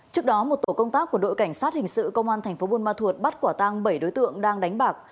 trước đó một tổ công tác của đội cảnh sát hình sự công an thành phố buôn ma thuột bắt quả tang bảy đối tượng đang đánh bạc